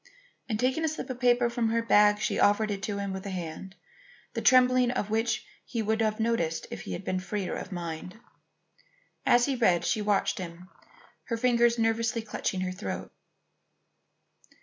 And taking a slip of paper from her bag, she offered it to him with a hand, the trembling of which he would have noted had he been freer in mind. As he read, she watched him, her fingers nervously clutching her throat.